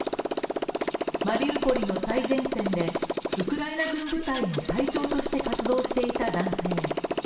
マリウポリの最前線で、ウクライナ軍部隊の隊長として活動していた男性。